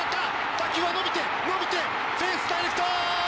打球は伸びてフェンスダイレクト！